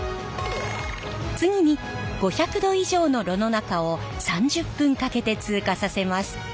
次に５００℃以上の炉の中を３０分かけて通過させます。